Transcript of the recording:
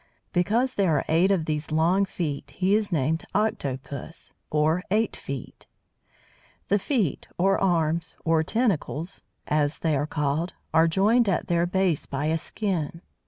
Because there are eight of these long feet he is named octo pus or eight feet. The feet or arms, or tentacles, as they are called are joined at their base by a skin.